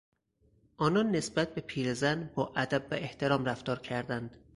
آنان نسبت به پیرزن با ادب و احترام رفتار کردند.